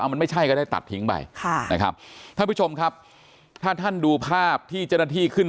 มันไม่ใช่ก็ได้ตัดทิ้งไปค่ะนะครับท่านผู้ชมครับถ้าท่านดูภาพที่เจ้าหน้าที่ขึ้น